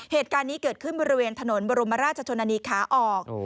เหตุการณ์นี้เกิดขึ้นบริเวณถนนบรมราชชนนานีขาออก